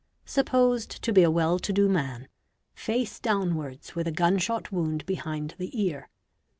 supposed to be a well to do man, face downwards with a gun shot wound behind the ear.